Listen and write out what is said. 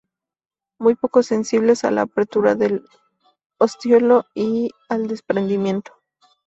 Muy poco sensibles a la apertura del ostiolo, y al desprendimiento.